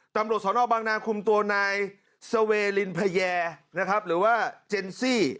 ตำรวจศาลนอกบางนางคุมตัวนายเซเวลินพระแยร์หรือว่าเจนซี่